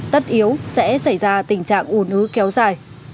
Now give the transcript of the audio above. tất yếu sẽ xảy ra tình trạng ủn ứ kéo dài